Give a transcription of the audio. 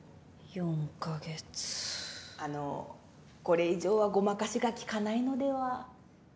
あのうこれ以上はごまかしが利かないのでは。